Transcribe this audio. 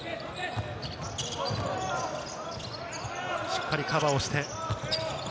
しっかりカバーして。